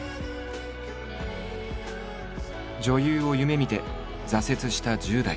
女優を夢みて挫折した１０代。